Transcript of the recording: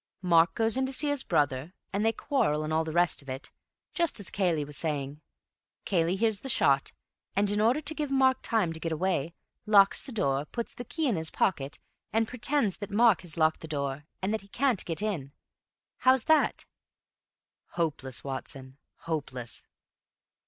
Mark goes in to see his brother, and they quarrel and all the rest of it, just as Cayley was saying. Cayley hears the shot, and in order to give Mark time to get away, locks the door, puts the key in his pocket and pretends that Mark has locked the door, and that he can't get in. How's that?" "Hopeless, Watson, hopeless."